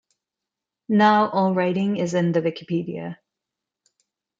Now, all writing is in the Wikipedia.